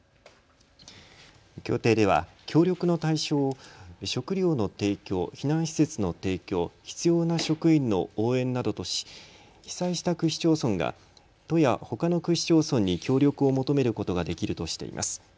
協定では協力の対象を食料の提供、避難施設の提供、必要な職員の応援などとし被災した区市町村が都やほかの区市町村に協力を求めることができるとしています。